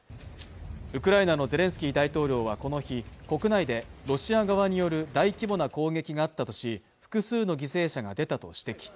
ウクライナのゼレンスキー大統領はこの日国内でロシア側による大規模な攻撃があったとし複数の犠牲者が出たと指摘